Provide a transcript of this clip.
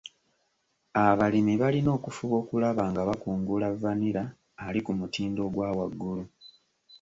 Abalimi balina okufuba okulaba nga bakungula vanilla ali ku mutindo ogwa waggulu.